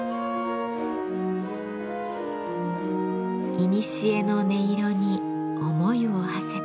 いにしえの音色に思いをはせて。